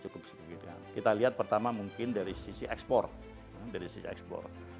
kita lihat pertama mungkin dari sisi ekspor